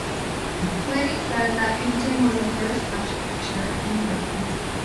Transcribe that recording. Pliny says that the painting was the first such picture in Rome.